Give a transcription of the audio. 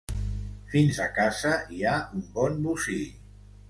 Fins a casa hi ha un bon bocí.